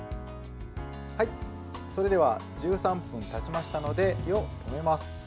それでは、１３分たちましたので火を止めます。